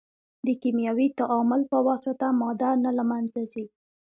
د کیمیاوي تعامل په واسطه ماده نه له منځه ځي.